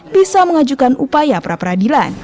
bisa mengajukan upaya pra peradilan